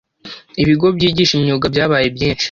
Ibigo byigisha imyuga byabaye byinshi